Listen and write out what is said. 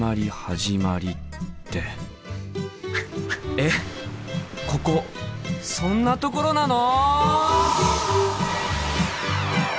えっここそんなところなの！？